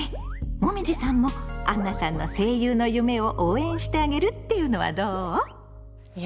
もみじさんもあんなさんの「声優の夢」を応援してあげるっていうのはどう？